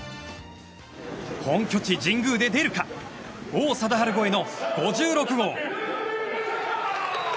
本拠地・神宮で出るか王貞治超えの５６号。